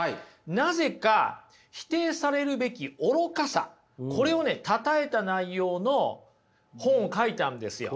なぜか否定されるべき愚かさこれをねたたえた内容の本を書いたんですよ。